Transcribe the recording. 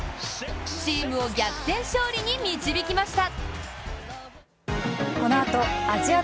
チームを逆転勝利に導きました。